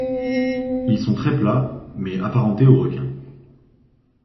Ils sont très plats mais apparentés aux requins.